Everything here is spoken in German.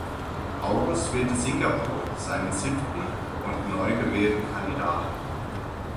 August wählte Singapur seinen siebten und neu gewählten Kandidaten.